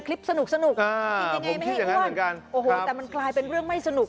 คลิปสนุกจริงไม่ให้อ้วนแต่มันกลายเป็นเรื่องไม่สนุก